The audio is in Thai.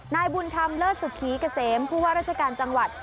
นายบุญธรรมเลิศสุขีเกษมผู้ว่าราชการจังหวัด